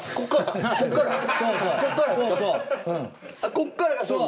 こっからが勝負？